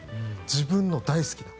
自分の大好きな。